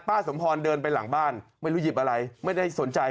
สมพรเดินไปหลังบ้านไม่รู้หยิบอะไรไม่ได้สนใจ